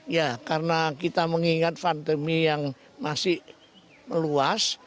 ya karena kita mengingat pandemi yang masih meluas